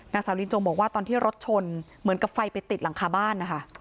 นางสาวลินจงบอกว่าตอนที่รถชนเหมือนกับไฟไปติดหลังคาบ้านนะคะ